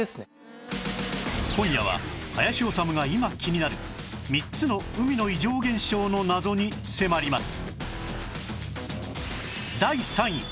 今夜は林修が今気になる３つの海の異常現象の謎に迫ります